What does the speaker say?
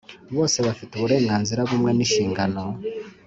Bose bafite uburenganzira bumwe n inshingano